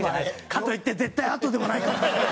かといって絶対あとでもないからな。